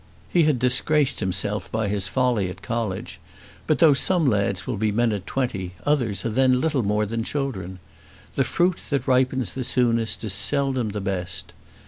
He had disgraced himself by his folly at college, but, though some lads will be men at twenty, others are then little more than children. The fruit that ripens the soonest is seldom the best.